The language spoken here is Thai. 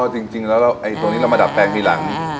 จริงจริงแล้วเราไอตัวนี้เรามาดัดแปลงทีหลังอ่า